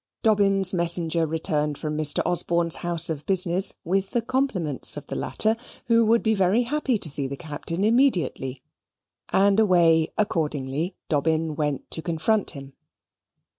Dobbin's messenger returned from Mr. Osborne's house of business, with the compliments of the latter, who would be very happy to see the Captain immediately, and away accordingly Dobbin went to confront him.